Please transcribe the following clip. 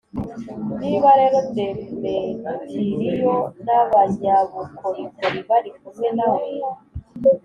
Niba rero Demetiriyo n abanyabukorikori bari kumwe na we